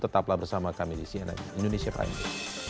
tetaplah bersama kami di cnn indonesia prime news